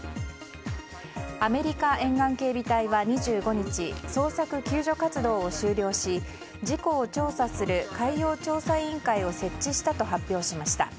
アメリカ沿岸警備隊は２５日捜索救助活動を終了し事故を調査する海洋調査委員会を設置したと発表しました。